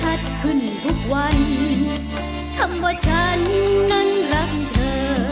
ขึ้นทุกวันคำว่าฉันนั้นรักเธอ